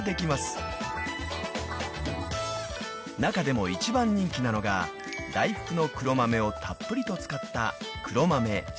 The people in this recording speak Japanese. ［中でも一番人気なのが黒豆をたっぷりと使った］